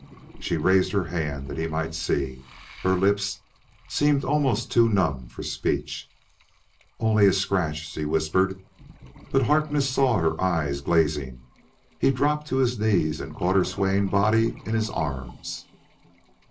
She raised her hand that he might see; her lips, seemed almost too numb for speech. "Only a scratch," she whispered, but Harkness saw her eyes glazing. He dropped to his knees and caught her swaying body in his arms.